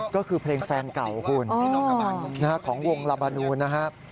ก็คือเพลงแฟนเก่าคุณของวงลาบานูนนะครับ